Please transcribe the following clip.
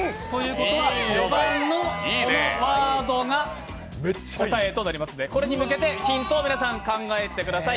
５番のこのワードが答えとなりますのでこれに向けてヒントを皆さん考えてください。